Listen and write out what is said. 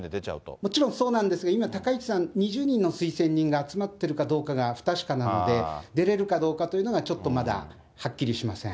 もちろんそうなんですが、今、高市さん、２０人の推薦人が集まってるかどうかが不確かなので、出れるかどうかというのがちょっとまだはっきりしません。